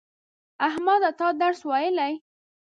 احمده تا درس ویلی